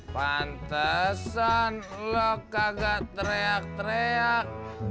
pantesan lo kagak tereak tereak